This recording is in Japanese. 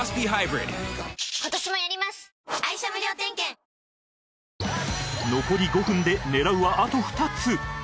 三菱電機残り５分で狙うはあと２つ